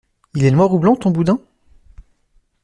Il est noir ou blanc ton boudin?